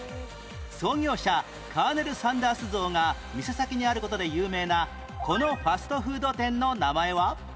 創業者カーネル・サンダース像が店先にある事で有名なこのファストフード店の名前は？